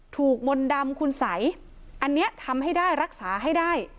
มนต์ดำคุณสัยอันนี้ทำให้ได้รักษาให้ได้